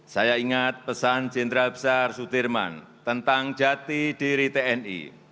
saya ingat pesan jenderal besar sudirman tentang jati diri tni